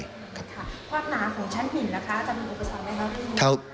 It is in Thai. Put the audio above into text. ความหนาของชั้นหินนะคะจะมีอุปสรรคไหมคะพี่